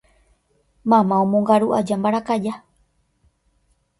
mamá omongaru aja mbarakaja